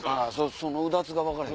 そのうだつが分からへん。